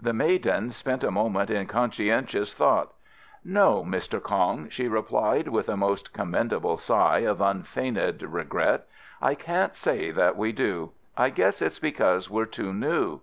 The maiden spent a moment in conscientious thought. "No, Mr. Kong," she replied, with a most commendable sigh of unfeigned regret, "I can't say that we do. I guess it's because we're too new.